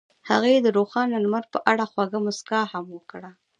هغې د روښانه لمر په اړه خوږه موسکا هم وکړه.